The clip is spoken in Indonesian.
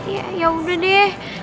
ya yaudah deh